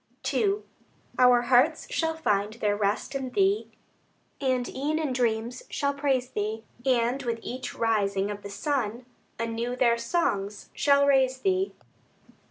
II Our hearts shall find their rest in Thee, And e'en in dreams shall praise Thee; And with each rising of the sun, Anew their songs shall raise Thee.